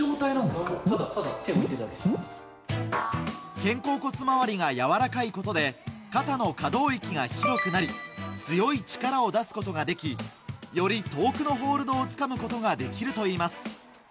肩甲骨回りがやわらかいことで肩の可動域が広くなり強い力を出すことができより遠くのホールドをつかむことができるといいます。